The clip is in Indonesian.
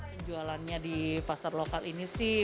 penjualannya di pasar lokal ini sih